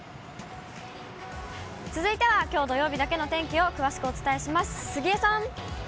続いては、きょう土曜日だけの天気を詳しくお伝えします。